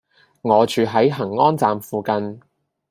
我住喺恆安站附近